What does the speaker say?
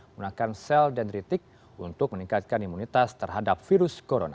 menggunakan sel dendritik untuk meningkatkan imunitas terhadap virus corona